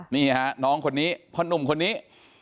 นี่ฮะน้องคนนี้พ่อนุ่มคนนี้